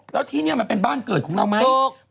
แล้วที่นี่มันเป็นบ้านเกิดของเราไหม